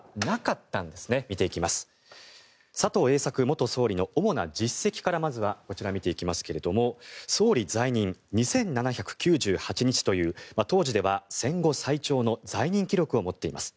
元総理の主な実績から見ていきますが総理在任２７９８日という当時では戦後最長の在任記録を持っています。